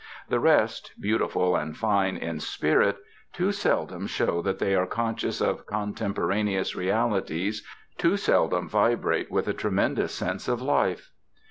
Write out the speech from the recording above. The rest, beautiful and fine in spirit, too seldom show that they are conscious of contemporaneous realities, too seldom vibrate with a tremendous sense of life.